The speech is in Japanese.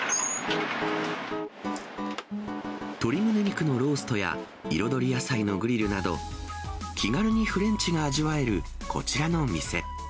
鶏むね肉のローストや、彩り野菜のグリルなど、気軽にフレンチが味わえるこちらの店。